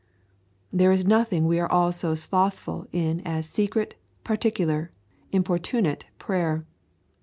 There is nothing we are all so slothful in as secret, particular, importunate prayer.